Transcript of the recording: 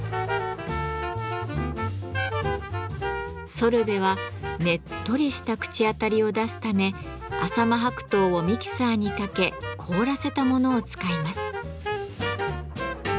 ソルベはねっとりした口当たりを出すため浅間白桃をミキサーにかけ凍らせたものを使います。